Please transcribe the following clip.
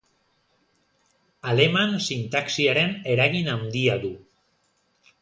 Aleman sintaxiaren eragin handia du.